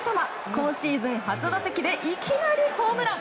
今シーズン初打席でいきなりホームラン。